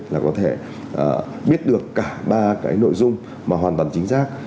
là có thể biết được cả ba cái nội dung mà hoàn toàn chính xác